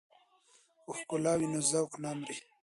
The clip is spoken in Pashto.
که ښکلا وي نو ذوق نه مري.